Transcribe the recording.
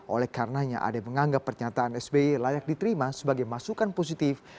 oleh karenanya ade menganggap pernyataan sby layak diterima sebagai masukan positif